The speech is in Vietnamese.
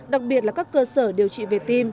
đặc biệt là các cơ sở điều trị về tim